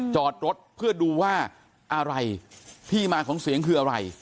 จอดรถเพื่อดูว่าอะไรที่มาของเสียงคืออะไร